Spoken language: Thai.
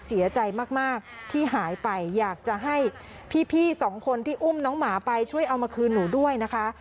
เสียใจมากที่หายไปอยากจะให้พี่สองคนที่อุ้มน้องหมาไปช่วยเอามาคืนหนูด้วยนะคะ